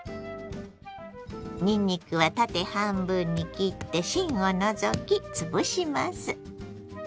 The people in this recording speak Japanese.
にんにくは縦半分に切って芯を除き潰します。